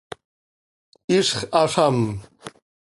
¡Hizx azám!